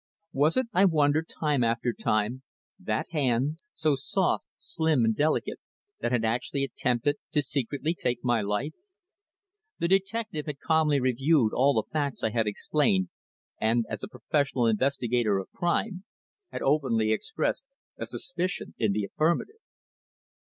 Was it, I wondered time after time, that hand, so soft, slim and delicate, that had actually attempted to secretly take my life? The detective had calmly reviewed all the facts I had explained, and, as a professional investigator of crime, had openly expressed a suspicion in the affirmative.